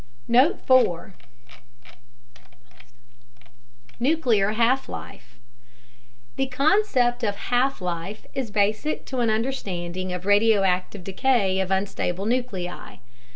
Note 4: Nuclear Half Life The concept of "half life" is basic to an understanding of radioactive decay of unstable nuclei.